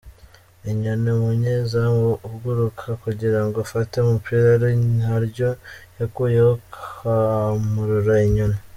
Inyoni :Umunyezamu uguruka kugirango afate umupira, ari naryo yakuyeho kwamurura inyoni.